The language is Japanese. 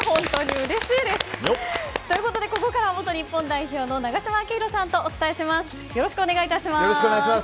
うれしいです。ということでここからは元日本代表の永島昭浩さんとお伝えします。